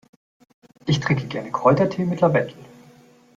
Ich trinke gerne Kräutertee mit Lavendel.